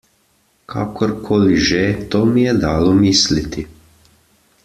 Kakorkoli že, to mi je dalo misliti.